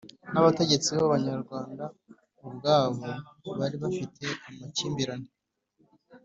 n'abategetsi b'abanyarwanda ubwabo bari bafite amakimbirane